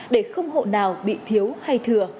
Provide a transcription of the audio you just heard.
để không hộ nào bị thiếu hay thừa